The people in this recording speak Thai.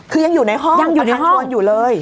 คือยังอยู่ในห้องประธานชวนอยู่เลย